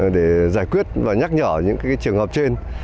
để giải quyết và nhắc nhở những trường hợp trên